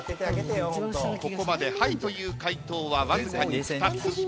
ここまで「はい」という回答はわずかに２つ。